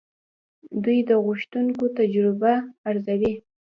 دوی د غوښتونکو تجربه ارزوي.